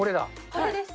これです。